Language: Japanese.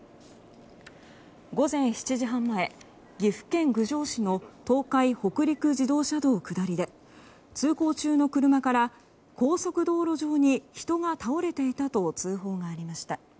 午前７時半前、岐阜県郡上市の東海北陸自動車道下りで通行中の車から高速道路上に人が倒れていたと通報がありました。